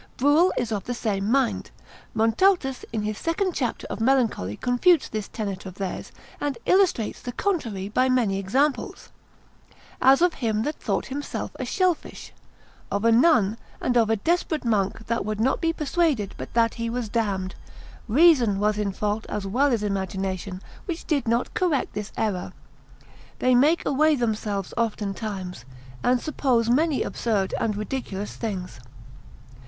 Bruel is of the same mind: Montaltus in his 2 cap. of Melancholy confutes this tenet of theirs, and illustrates the contrary by many examples: as of him that thought himself a shellfish, of a nun, and of a desperate monk that would not be persuaded but that he was damned; reason was in fault as well as imagination, which did not correct this error: they make away themselves oftentimes, and suppose many absurd and ridiculous things.